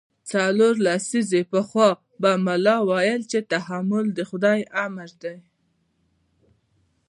څلور لسیزې پخوا به ملا ویل چې تحمل د خدای امر دی.